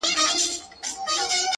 زړه مي را خوري؛